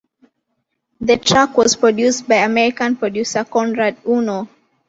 The track was produced by American producer Conrad Uno.